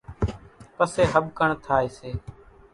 پسيَ ۿٻڪڻ ٿائيَ سي۔